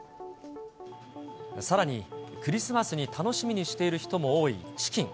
さらに、クリスマスに楽しみにしている人も多いチキン。